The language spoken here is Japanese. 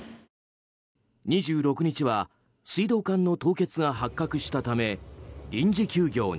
２６日は、水道管の凍結が発覚したため臨時休業に。